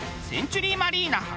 センチュリーマリーナ